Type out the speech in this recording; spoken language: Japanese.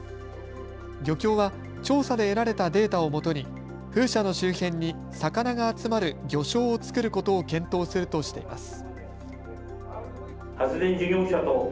漁協は調査で得られたデータをもとに風車の周辺に魚が集まる魚礁を作ることを検討するとしています。